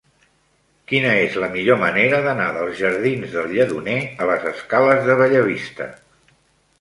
Quina és la millor manera d'anar dels jardins del Lledoner a les escales de Bellavista?